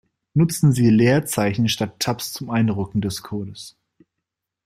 Nutzen Sie Leerzeichen statt Tabs zum Einrücken des Codes.